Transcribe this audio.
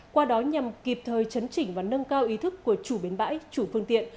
qua đó nhằm kịp thời chấn chỉnh và nâng cao ý thức của chủ bến bãi chủ phương tiện